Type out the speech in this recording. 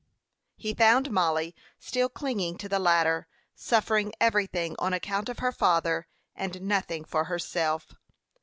He found Mollie still clinging to the ladder, suffering everything on account of her father, and nothing for herself.